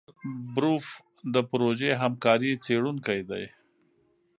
کارمل بروف د پروژې همکاره څېړونکې ده.